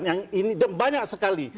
yang ini banyak sekali